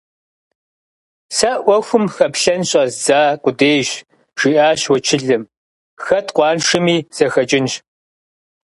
- Сэ Ӏуэхум хэплъэн щӀэздза къудейщ, - жиӏащ уэчылым, - хэт къуаншэми зэхэкӀынщ…